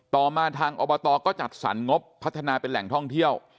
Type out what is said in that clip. ต่อมาทางอบตก็จัดสรรงบพัฒนาเป็นแหล่งท่องเที่ยว